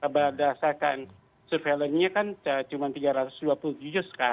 berdasarkan surveilannya kan cuma tiga ratus dua puluh just kali ini dilaporkan